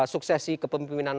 pemerintah pemerintah di negara ini